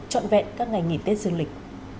trọn vẹn các ngày nghỉ tết dương lịch